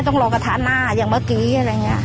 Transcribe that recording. ต้องรอกระทะหน้าอย่างเมื่อกี้อะไรอย่างนี้